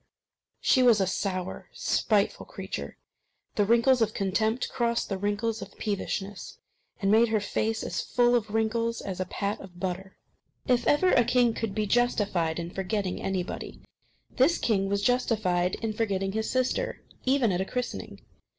She was a sour, spiteful creature. The wrinkles of contempt crossed the wrinkles of peevishness, and made her face as full of wrinkles as a pat of butter. If ever a king could be justified in forgetting anybody, this king was justified in forgetting his sister, even at a christening.